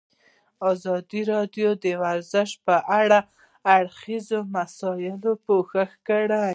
ازادي راډیو د ورزش په اړه د هر اړخیزو مسایلو پوښښ کړی.